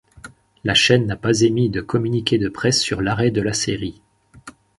La chaîne n'a pas émis de communiqué de presse sur l'arrêt de la série.